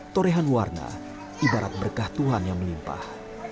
torehan warna ibarat berkah tuhan yang melimpah